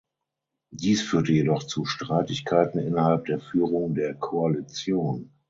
Dies führte jedoch zu Streitigkeiten innerhalb der Führung der Koalition.